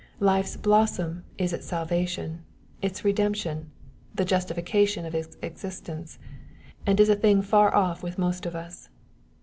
Life's blossom is its salvation, its redemption, the justification of its existence and is a thing far off with most of us.